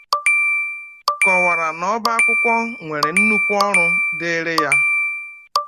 kọwàrà na ọba akwụkwọ nwèrè nnukwu ọrụ dịịrị ya